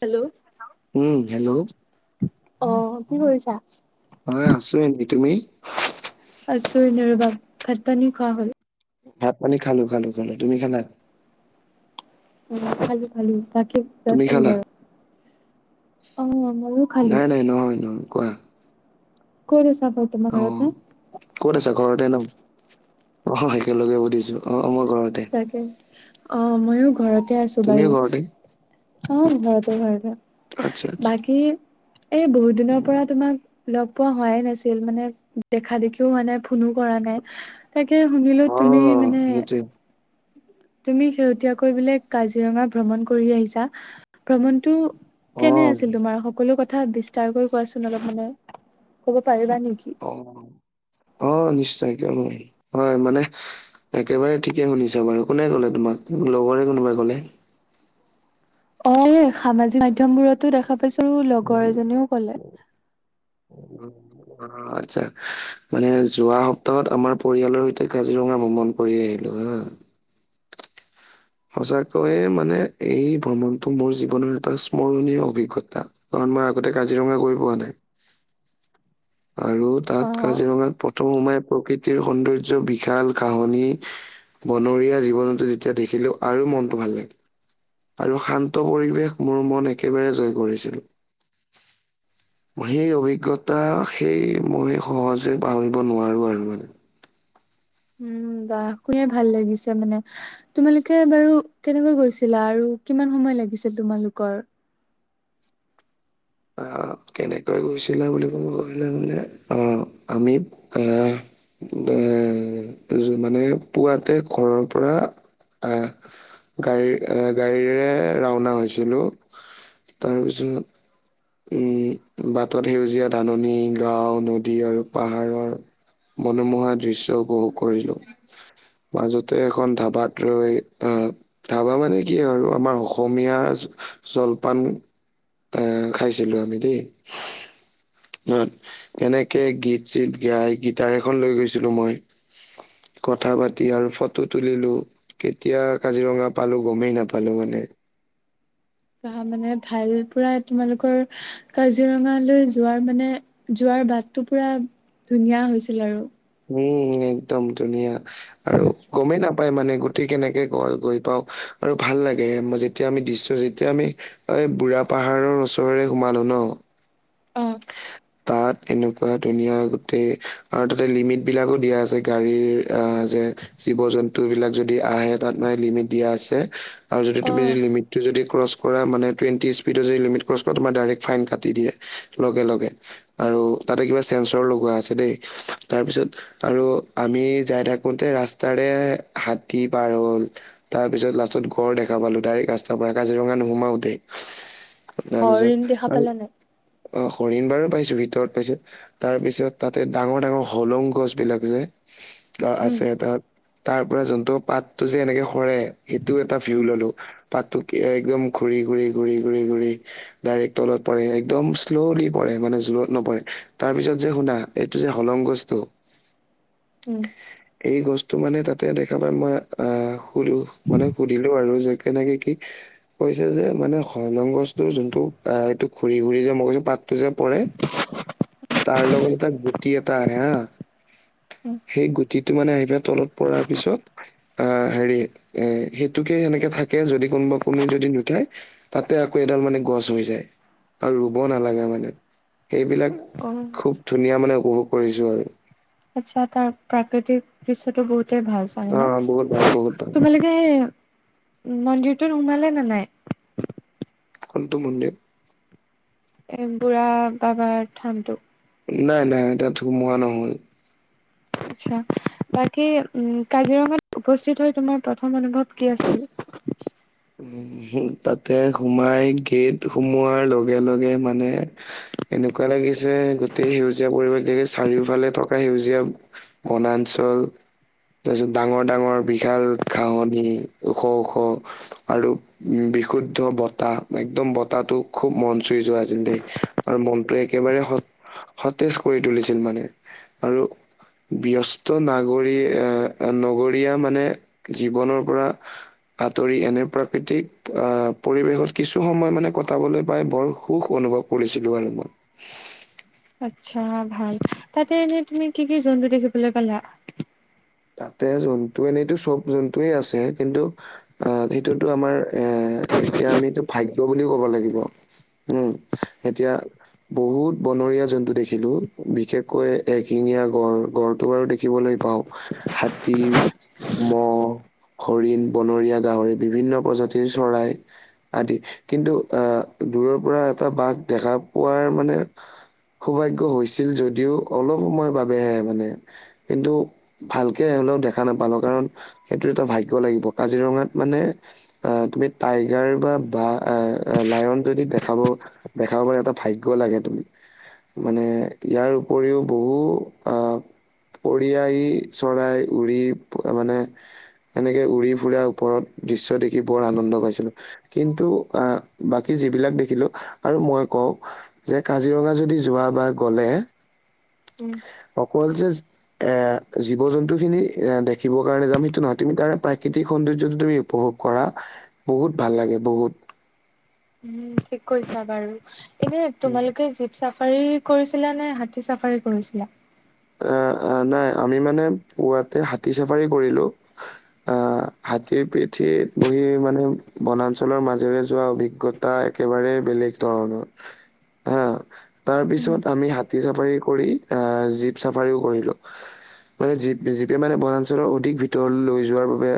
Hello উম, hello অ কি কৰিছা। অ আছো এনেই তুমি। আছো এনেই ৰবা ভাত পানী খোৱা হ'ল। ভাত পানী খালো খালো খালো তুমি খালা। উমঁ' খালোঁ খালোঁ, বাকী তুমি কোৱাচোন খালা? বাৰু? অ ময়ো খালো নাই নাই, নহয় নহয়, কোৱা? ক'ত আছা ক তোমাৰ অ ঘৰতে। ক'ত আছা ঘৰতে ন' অহহ একেলগে সুধিছোঁ, অঁ' অঁ' মই ঘৰত। তাকে, অঁ' মইয়ো ঘৰতে আছো তুমিও বাৰু। ঘৰতে অঁ' ঘৰতে ঘৰতে। আচ্ছা আচ্ছা। বাকী এই বহুত দিনৰ পৰা তোমাক- লগ পোৱা হোৱাই নাছিল মানে দেখা দেখি তো হোৱা নাই ফোনো কৰা নাই, তাকে শুনিলোঁ অ তুমি মানে- সেইটোৱে তুমি শেহতীয়াকৈ বোলে কাজিৰঙা ভ্ৰমণ কৰি আহিছা, ভ্ৰমণটো- অ কেনে আছিল তোমাৰ সকলো কথা বিস্তাৰকৈ কোৱাচোন অলপ মানে ক'ব পাৰিবা নেকি? [unintelligible] অঁ' নিশ্চয় কিয় নোৱাৰিম, হ‌য় মানে- একেবাৰে ঠিকে শুনিছা বাৰু কোনে ক'লে তোমাক লগৰে কোনোবাই ক'লে? অঁ' সামাজিক মাধ্যম বোৰতো দেখা পাইছোঁ লগৰ এজনীও ক'লে। উমঁ। অঁ' আচ্ছা' মানে যোৱা সপ্তাহত আমাৰ পৰিয়ালৰ সৈতে কাজিৰঙা ভ্ৰমণ- কৰি আহিলোঁ হা। সঁচাকৈয়ে মানে এই ভ্ৰমণটো মোৰ জীৱনৰ এটা স্মৰণীয় অভিজ্ঞতা। কাৰণ মই আগতে কাজিৰঙা গৈ পোৱা নাই। আৰু অ তাত কাজিৰঙাত প্ৰথম সোমাই প্ৰকৃতিৰ সৌন্দৰ্য বিশাল ঘাঁহনি- বনৰীয়া জীৱ-জন্তু যেতিয়া দেখিলোঁ আৰু মনটো ভাল লাগে। আৰু শান্ত পৰিৱেশ মোৰ মন একেবাৰে জয় কৰিছিল। [unintelligible] সেই অভিজ্ঞতা সেই মই সহজে পাহৰিব নোৱাৰো আৰু মানে। উমঁ' বাহ শুনিয়ে ভাল লাগিছে মানে। তোমালোকে বাৰু কেনেকৈ গৈছিলা আৰু কিমান সময় লাগিছিল তোমালোকৰ? আহ' কেনেকৈ গৈছিলো বুলি ক'ব গ'লে মানে অঁ' আমি আহ'- এ মানে পুৱাতে ঘৰৰ পৰা আহ'- গাড়ী এ গাড়ীৰে ৰাওনা হৈছিলোঁ তাৰপিছত- উমঁ' বাটত সেউজীয়া ধাননী, গাওঁ, নদী আৰু পাহাৰৰ- মনোমোহা দৃশ্য উপভোগ কৰিলোঁ। মাজতে এখন ধাবাত ৰৈ আহ'- ধাৱা মানে কি আৰু আমাৰ অসমীয়া জলপান এ- খাইছিলোঁ আমি দেই। তাত তেনেকে গীত চীত গাই গীতাৰ এখন লৈ গৈছিলোঁ মই। কথা পাতি আৰু ফটো তুলিলোঁ। কেতিয়া কাজিৰঙা পালোঁ গমেই নাপালোঁ মানে। তাৰপিছত মানে ভাল পোৰা তোমালোকৰ- কাজিৰঙালৈ যোৱাৰ মানে যোৱাৰ বাটটো পোৰা ধুনীয়া হৈছিল আৰু। উমঁ' একদম ধুনীয়া আৰু গমেই না পাই মানে গোটেই কেনেকে গ-গৈ পাওঁ আৰু ভাল লাগে যেতিয়া আমি দৃশ্যটো যেতিয়া আমি- ঐ বুঢ়া পাহাৰৰ ওচৰৰে সোমালো ন'- অ তাত এনেকুৱা ধুনীয়া গোটেই আৰু তাতে লিমিটেড বিলাকো দিয়া আছে গাড়ীৰ আহ' যে- জীৱ-জন্তু বিলাক যদি আহে তাত মানে লিমিট দিয়া আছে- আৰু যদি তুমি যদি অ লিমিটটো যদি ক্ৰছ কৰা মানে টুৱেণ্টি স্পীডত যদি লিমিট ক্ৰছ কৰা তোমাৰ ডাইৰেক্ট ফাইন কাটি দিয়ে। লগে লগে আৰু তাতে কিবা চেন্সৰ লগোৱা আছে দেই তাৰপিছত আৰু আমি যায় থাকোঁতে ৰাস্তাৰে হাতী পাৰ হ'ল তাৰ পিছত লাষ্টত গড় দেখা পালো ডাইৰেক্ট ৰাস্তাৰ পৰা কাজিৰঙা নোসোমাওতে হৰিণ তাৰপিছত দেখা আৰু পালানে? অহ হৰিণ বাৰু পাইছোঁ ভিতৰত পাইছোঁ তাৰ পিছত তাতে ডাঙৰ ডাঙৰ হলোং গছ বিলাক যে তাত উম, আছে তাত তাৰ পৰা যোনটো পাতটো যে এনেকে সৰে সেইটো এটা ভিউ উম, ললো। পাতটো কে একদম ঘূৰি ঘূৰি ঘূৰি ঘূৰি ঘূৰি ডাইৰেক্ট তলত পৰে একদম শ্লোলি পৰে মানে জোৰত নপৰে তাৰ পিছত যে শুনা এইটো যে হলংগছতো উম এই গছটো মানে তাতে দেখা পায় মই আহ সুধিলো মানে সুধিলো আৰু যে কেনেকে কি কৈছে যে মানে হলং গছতো যোনটো আহ এইটো ঘুৰি ঘুৰি যে মই কৈছো পাততো যে পৰে তাৰ লগত এটা গুটি এটা আহে হা উম। সেই গুটিটো মানে আহি পেলে তলত পৰাৰ পিছত অহ হেৰি এ সেইটোকে সেনেকে থাকে যদি কোনোবা কোনো যদি নুথাই তাতে আকৌ এডাল মানে গছ হৈ যায় আৰু ৰুব নালাগে মানে সেইবিলাক অহ খুব ধুনীয়া মানে উপভোগ কৰিছো আৰু আচ্ছা তাৰ প্ৰাকৃতিক দৃশ্যটো বহুতেই ভাল চাগে অ বহুত ন ভাল বহুত ভাল তো যে মন্দিৰটোত সোমালে নে নাই কোনটো মন্দিৰ এ বুঢ়া বাবাৰ থানটো নাই নাই তাত সোমোৱা নহয় আচ্ছা বাকী উম কাজিৰঙাত উপস্থিত হৈ তোমাৰ প্ৰথম অনুভৱ কি আছিলে উম তাতে সোমাই গেট সোমোৱাৰ লগে লগে মানে এনেকুৱা লাগিছে গোটেই সেউজীয়া পৰিৱেশ দেখি চাৰিওফালে থকা সেউজীয়া বনাঞ্চল তাৰ পিছত ডাঙৰ ডাঙৰ বিশাল ঘাঁহনি ওখ ওখ আৰু উম বিশুদ্ধ বতাহ একদম বতাহটো খুব মন চুই যোৱা যে দেই আৰু মনটোৱে একেবাৰে স সতেজ কৰি তুলিছিল মানে আৰু ব্যস্ত নাগৰি আহ নগৰীয়া মানে জীৱনৰ পৰা আঁতৰি এনে প্ৰাকৃতিক অহ পৰিৱেশত কিছু সময় মানে কটাবলৈ পাই বৰ সুখ অনুভৱ কৰিছিলোঁ আৰু মই [unintelligible] আচ্ছা ভাল তাতে এনেই তুমি কি কি জন্তু দেখিবলৈ পালা তাতে জন্তু এনেতো চব জন্তুৱেই আছে কিন্তু অ সেইটোতো আমাৰ এ এতিয়া আমিটো ভাগ্য বুলি কব লাগিব। উম এতিয়া বহুত বনৰীয়া জন্তু দেখিলো, বিশেষকৈ এশিঙীয়া গড় গড়টো বাৰু দেখিবলৈ পাওঁ। হাতী মহ, হৰিণ, বনৰীয়া গাহৰি, বিভিন্ন প্ৰজাতিৰ চৰাই আদি, কিন্তু আহ দূৰৰ পৰা এটা বাঘ দেখা পোৱাৰ মানে সৌভাগ্য হৈছিল যদিও অলপ সময় বাবেহে মানে, কিন্তু ভালকে হ'লেও দেখা নাপালো কাৰণ সেইটো এটা ভাগ্য লাগিব। কাজিৰঙাত মানে আ'হ তুমি টাইগাৰ বা ভা লায়ন যদি দেখাব দেখাবৰ এটা ভাগ্য লাগে তুমি। মানে ইয়াৰ উপৰিও বহু আহ পৰিয়াইয়ে চৰাই উৰি মানে এনেকে উৰি ফুুৰাৰ ওপৰত দৃশ্য দেখি বৰ আনন্দ পাইছিলো। কিন্তু আহ বাকী যিবিলাক দেখিলো, আৰু মই কওঁ যে কাজিৰঙা যদি যোৱা বা গ'লে উম। অকল যে এ জীৱ জন্তু খিনি এ দেখিবৰ কাৰণে যাম সেইটো নহয়, তুমি তাৰ প্ৰাকৃতিক সৌন্দৰ্যটো তুমি উপভোগ কৰা বহুত ভাল লাগে বহুত। উম ঠিক কৈছা বাৰু, এনেই তোমালোকে জিপ- চাফাৰী কৰিছিলা নে হাতী চাফাৰী কৰিছিলা? এ এ নাই আমি মানে পুৱাতে হাতী চাফাৰী কৰিলো। আহ হাতীৰ পিঠিত বহি মানে বনাঞ্চলৰ মাজেৰে যোৱা অভিজ্ঞতা টা একেবাৰে বেলেগ ধৰণৰ। হা, তাৰ উম, পিছত আমি হাতী চাফাৰী কৰি আহ যি চাফাৰীও কৰিলো, মানে জী জীপে মানে বনাঞ্চলৰ অধিক ভিতৰলে লৈ যোৱাৰ বাবে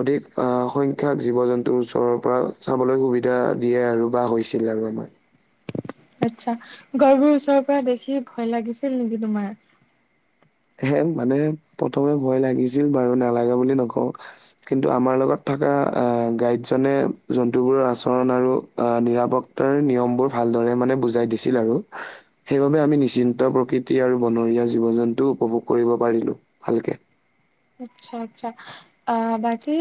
অধিক আহ সংখ্যাক জীৱ জন্তুৰ ওচৰৰ পৰা চাবলৈ সুবিধা দিয়ে আৰু, বা হৈছিল আৰু আমাৰ। আচ্ছা, গঁড়বোৰ ওচৰৰ পৰা দেখি ভয় লাগিছিল নেকি তোমাৰ? হে মানে প্ৰথমে ভয় লাগিছিল বাৰু নালাগে বুলি নকওঁ। কিন্তু আমাৰ লগত থকা আহ গাইডজনে জন্তুবোৰৰ আচৰণ আৰু আ নিৰাপত্তাৰ নিয়মবোৰ ভালদৰে মানে বুজাই দিছিল আৰু। সেইবাবে আমি নিশ্চিন্ত প্ৰকৃতি আৰু বনৰীয়া জীৱ জন্তুও উপভোগ কৰিব পাৰিলো ভালকে। আচ্ছা, আচ্ছা। আহ বাকী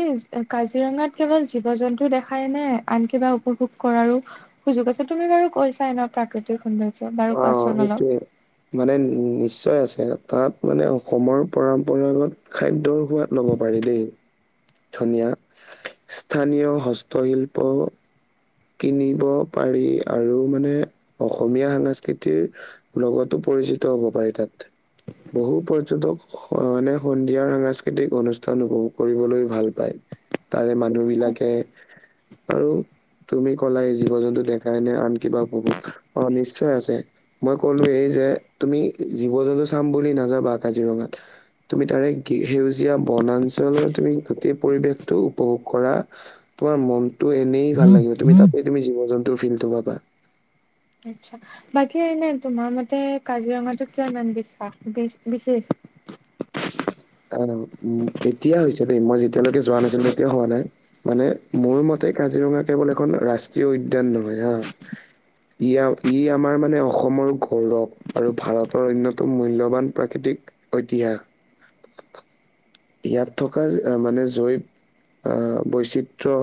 কাজিৰঙাত কেৱল জীৱ জন্তু দেখাই নে, আন কিবা উপভোগ কৰাৰো সুযোগ আছে, তুমি বাৰু কৈছাই ন প্ৰাকৃতিক সৌন্দৰ্য বাৰু অ কোৱাচোন অলপ। সেইটোৱে, মানে নিশ্চয় আছে। তাত মানে অসমৰ পৰম বনাই লগত খাদ্যৰ সোৱাদ ল'ব পাৰি দেই। ধুনীয়া স্থানীয় হস্তশিল্প কিনিব পাৰি আৰু মানে অসমীয়া সাস্কৃতিৰ লগতো পৰিচিত হ'ব পাৰি তাত। বহু পৰ্যটক মানে সন্ধিয়াৰ সাংস্কৃতিক অনুষ্ঠান উপভোগ কৰিবলৈ ভাল পায়। তাৰে মানুহ বিলাকে আৰু তুমি ক'লা এই জীৱ জন্তু দেখাই নে আন কিবা উপভোগ? অ নিশ্চয় আছে। মই কলো, এই যে তুমি জীৱ জন্তু চাম বুলি নাযাবা কাজিৰঙাত। তুমি তাৰে সেউজীয়া বনাঞ্চলৰ, তুমি গোটেই পৰিবেশটো উপভোগ কৰা। তোমাৰ মনটো এনেই ভাল লাগিব, তুমি তাতে তুমি জীৱ জন্তুৰ ফিল্ টো পাবা। আচ্ছা, বাকী এনে তোমাৰ মতে কাজিৰঙাটো কিয় ইমান বিশ বিশেষ? অ এতিয়া হৈছে দেই, মই যেতিয়ালৈকে যোৱা নাছিলো তেতিয়া হোৱা নাই। মানে মোৰ মতে, কাজিৰঙা কেৱল এখন ৰাষ্ট্ৰীয় উদ্যান নহয় হা। ইয়া ই আমাৰ মানে অসমৰ গৌৰৱ। আৰু ভাৰতৰ অন্যতম মূল্যবান প্ৰাকৃতিক ঐতিহাস। ইয়াত থকা মানে জৈৱ আহ বৈচিত্ৰ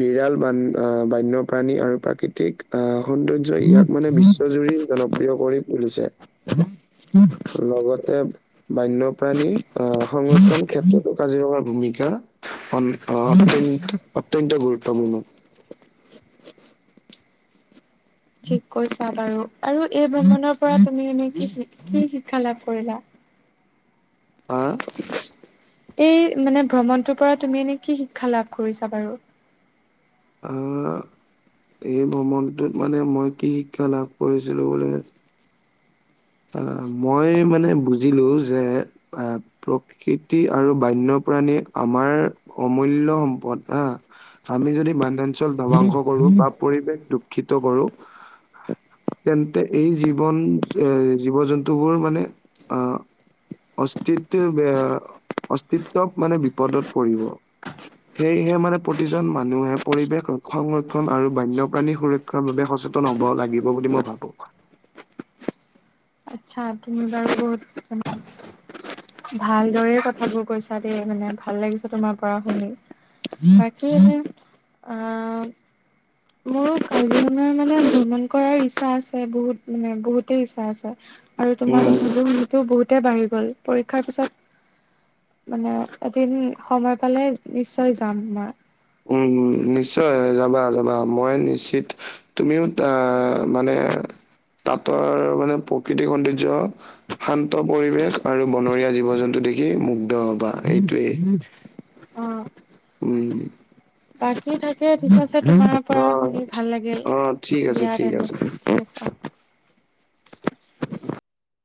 বিৰাল বান আহ বন্যপ্ৰাণী আৰু প্ৰাকৃতিক আহ সৌন্দৰ্য ইয়াক মানে বিশ্বজুৰি জনপ্ৰিয় কৰি তুলিছে লগতে বন্যপ্ৰাণী আহ সংৰক্ষণ ক্ষেত্ৰতো কাজিৰঙাৰ ভূমিকা অত- অত্যন্ত গুৰুত্বপূৰ্ণ। ঠিক কৈছা বাৰু আৰু এই ভ্ৰমণৰ পৰা তুমি এনে কি-কি শিক্ষা লাভ কৰিলা? হা। এই মানে ভ্ৰমণটোৰ পৰা তুমি এনে কি শিক্ষা লাভ কৰিছা বাৰু? আহ, এই ভ্ৰমণটোত মানে মই কি শিক্ষা লাভ কৰিছিলো বোলে অ', মই মানে বুজিলো যে আহ প্ৰকৃতি আৰু বন্যপ্ৰাণী আমাৰ অমূল্য সম্পদ হা আমি যদি বানঞ্চল ধ্বংস কৰো বা পৰিৱেশ দুখিত কৰো তেন্তে এই জীৱন এ জীৱ জন্তুবোৰ মানে আ অস্তিত্ব অস্তিত্ব মানে বিপদত পৰিব। সেয়েহে মানে প্ৰতিজন মানুহে পৰিৱেশ সংৰক্ষণ আৰু বন্যপ্ৰাণী সুৰক্ষা বাবে সচেতন হ'ব লাগিব বুলি মই ভাবো। আচ্ছা তুমি বাৰু বহুত [unintelligible] ভালদৰে কথাবোৰ কৈছা দেই মানে ভাল লাগিছে তোমাৰ পৰা কথাবোৰ শুনি। বাকী এনে আহ মোৰো কাজিৰঙা মানে ভ্ৰমণ কৰাৰ ইচ্ছা আছে বহুত মানে বহুতেই ইচ্ছা আছে। আৰু তোমাৰ উম কথা বোৰ শুনি তো বহুতে বাঢ়ি গ'ল পৰীক্ষাৰ পিছত মানে এদিন সময় পালে নিশ্চয় যাম মই। উম, নিশ্চয় যাবা যাবা মই নিশ্চিত তুমিও আহ মানে তাঁতৰ মানে প্ৰকৃতিক সৌন্দৰ্য্য শান্ত পৰিৱেশ আৰু বনৰীয়া জীৱ-জন্তু দেখি মুগ্ধ হবা এইটোৱেই। অ। উম। বাকী থাকে পিছত পাছে তোমাৰ পৰা অ', শুনি ভাল লাগিল অ', ঠিক আছে, দিয়া ঠিক আছে। তেন্তে